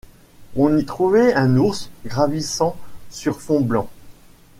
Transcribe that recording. On y trouvait un ours gravissant sur fond blanc.